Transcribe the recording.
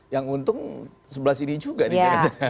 yang untung sebelah sini juga nih